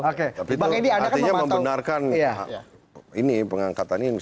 tapi itu artinya membenarkan ini pengangkatan ini